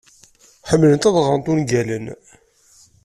Ḥemmlent ad ɣrent ungalen.